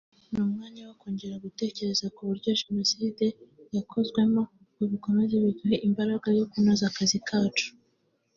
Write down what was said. ni umwanya wo kongera gutekereza ku buryo Jenoside yakozwemo ngo bikomeze biduhe imbaraga zo kunoza akazi kacu